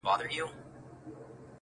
د ریا کارو زاهدانو ټولۍ-